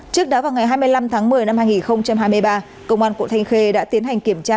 trước đó vào ngày hai mươi năm tháng một mươi năm hai nghìn hai mươi ba công an quận thanh khê đã tiến hành kiểm tra